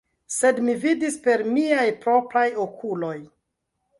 Sed mi vidis per miaj propraj okuloj!